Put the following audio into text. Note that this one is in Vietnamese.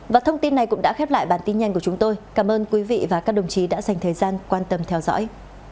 và thông tin này cũng đã khép lại bản tin nhanh của chúng tôi cảm ơn quý vị và các đồng chí đã dành thời gian quan tâm theo dõi